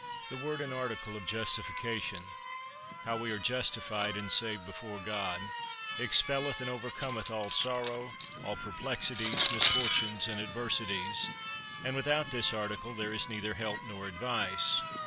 The word and article of justification (how we are justified and saved before God) expelleth and overcometh all sorrow, all perplexities, misfortunes, and adversities; and without this article there is neither help nor advice.